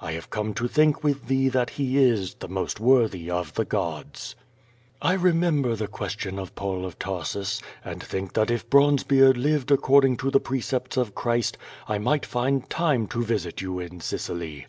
I have come to think with thee tliat He is the most worthy of the gods. I remember the question of Paul of Tarsus, and think that if l>ronzebeard lived according to the precepts of Christ, T iiiiglit find time to visit you in Sicily.